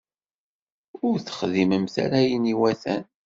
Ur texdimemt ara ayen iwatan.